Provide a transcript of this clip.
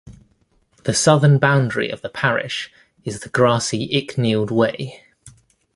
The southern boundary of the parish is the grassy Icknield Way.